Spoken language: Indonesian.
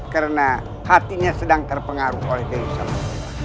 karena hatinya sedang terpengaruh oleh dewi salman